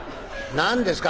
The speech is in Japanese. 何ですか？